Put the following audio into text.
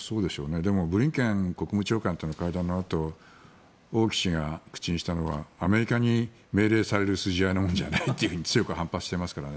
でもブリンケン国務長官は会談のあと王毅氏が口にしたのはアメリカに命令される筋合いではないと強く反発してますからね。